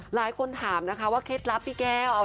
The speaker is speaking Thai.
หลายคนถามนะคะว่าเคล็ดลับพี่แก้ว